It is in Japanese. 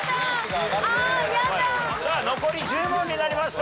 残り１０問になりました。